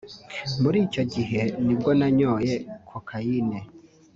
« Muri icyo gihe nibwo nanyoye cocaine